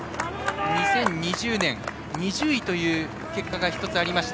２０２０年、２０位という結果が１つありました。